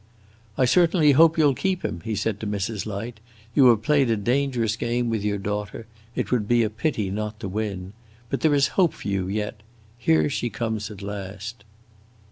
"I certainly hope you 'll keep him," he said to Mrs. Light. "You have played a dangerous game with your daughter; it would be a pity not to win. But there is hope for you yet; here she comes at last!"